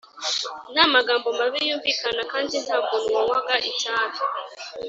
nta magambo mabi yumvikanaga kandi nta muntu wanywaga itabi